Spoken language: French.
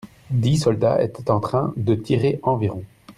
Dix soldats étaient en train de tirer environ.